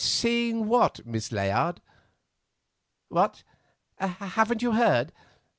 "Seeing what, Miss Layard?" "What, haven't you heard?